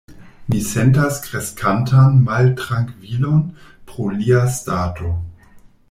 Mi sentas kreskantan maltrankvilon pro lia stato.